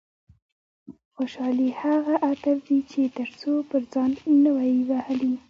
خوشحالي هغه عطر دي چې تر څو پر ځان نه وي وهلي.